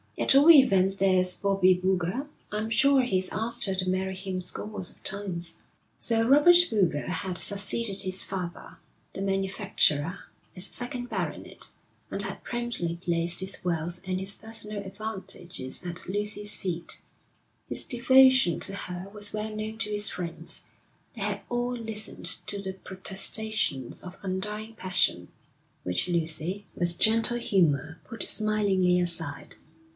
'At all events there's Bobbie Boulger. I'm sure he's asked her to marry him scores of times.' Sir Robert Boulger had succeeded his father, the manufacturer, as second baronet; and had promptly placed his wealth and his personal advantages at Lucy's feet. His devotion to her was well known to his friends. They had all listened to the protestations of undying passion, which Lucy, with gentle humour, put smilingly aside.